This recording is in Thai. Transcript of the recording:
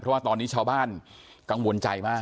เพราะว่าตอนนี้ชาวบ้านกังวลใจมาก